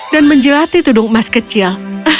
dan menjelati duduk emas kecil